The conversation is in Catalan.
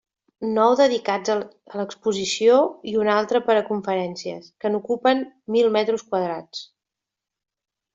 Nou dedicats a l'exposició i un altre per a conferències, que n'ocupen mil metres quadrats.